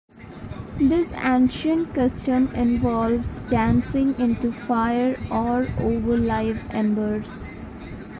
This ancient custom involves dancing into fire or over live embers.